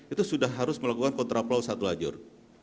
itu sudah harus melakukan kontraplau satu lajur